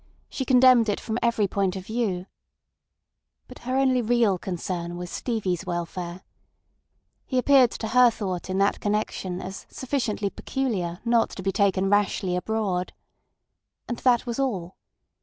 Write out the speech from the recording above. She condemned it from every point of view. But her only real concern was Stevie's welfare. He appeared to her thought in that connection as sufficiently "peculiar" not to be taken rashly abroad. And that was all.